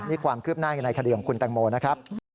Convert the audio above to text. นี่ความคืบหน้ายังไงคดีของคุณแตงโมนะครับ